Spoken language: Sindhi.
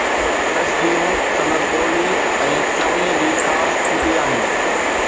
تشبيهون سندس ٻولي ۽ چوڻيءَ جي خاص خوبي آهن